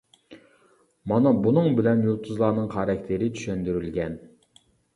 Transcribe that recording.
مانا بۇنىڭ بىلەن يۇلتۇزلارنىڭ خاراكتېرى چۈشەندۈرۈلگەن.